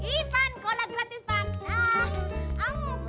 ipan kolak gratis pak